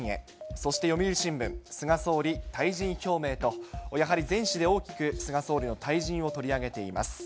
そして読売新聞、菅総理退陣表明と、やはり全紙で大きく、菅総理の退陣を取り上げています。